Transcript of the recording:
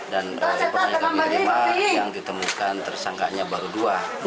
dan orang yang ditemukan tersangkanya baru dua